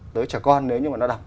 tới trẻ con nếu mà nó đọc